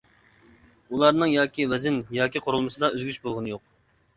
ئۇلارنىڭ ياكى ۋەزىن ياكى قۇرۇلمىسىدا ئۆزگىرىش بولغىنى يوق.